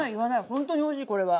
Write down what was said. ほんとにおいしいこれは。